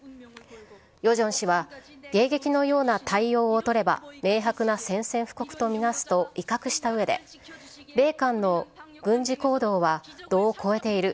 ヨジョン氏は迎撃のような対応を取れば、明白な宣戦布告と見なすと威嚇したうえで、米韓の軍事行動は度を超えている。